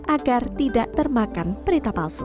agar tidak termakan berita palsu